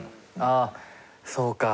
あそうか。